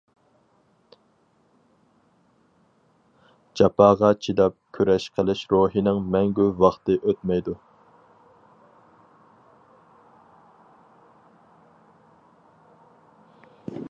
جاپاغا چىداپ كۈرەش قىلىش روھىنىڭ مەڭگۈ ۋاقتى ئۆتمەيدۇ.